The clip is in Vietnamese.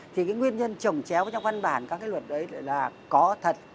thì cái nguyên nhân trồng chéo trong văn bản các cái luật đấy là có thật